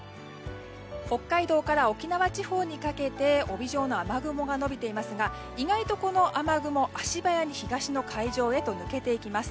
北海道から沖縄地方にかけて帯状の雨雲が延びていますが意外とこの雨雲、足早に東の海上へと抜けていきます。